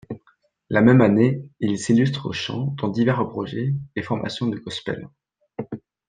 La même année, il s'illustre au chant dans divers projets et formations de gospel.